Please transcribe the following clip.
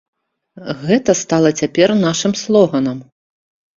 Гэта стала цяпер нашым слоганам.